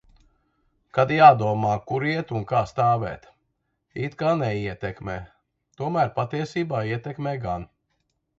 Kad jādomā, kur iet un kā stāvēt... "It kā neietekmē", tomēr patiesībā ietekmē gan.